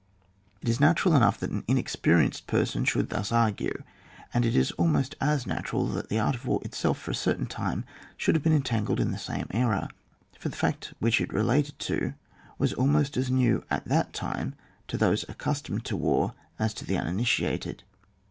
It is natural enough that an inexpe rienced person should thus argue, and it is almost as natural that the art of war itself for a certain time should have been entangled in the same error, for the fact which it related to was almost as new at that time to those accustomed to war as to the uninitiated.